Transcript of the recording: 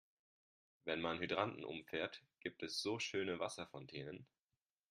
Wenn man Hydranten umfährt, gibt es so schöne Wasserfontänen.